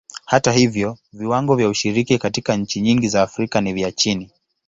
Hata hivyo, viwango vya ushiriki katika nchi nyingi za Afrika ni vya chini.